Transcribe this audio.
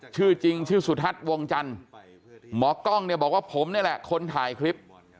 ชื่อจริงชื่อสุทัศน์วงจันทร์หมอกล้องเนี่ยบอกว่าผมนี่แหละคนถ่ายคลิป